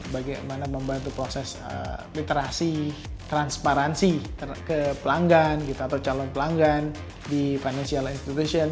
bagaimana membantu proses literasi transparansi ke pelanggan gitu atau calon pelanggan di financial institution